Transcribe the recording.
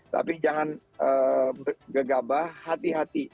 tapi jangan gegabah hati hati